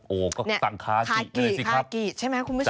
โอ้โหก็ตั้งคาจู๋อะไรสิคุณผู้ชมขากรีดใช่ไหมคุณผู้ชม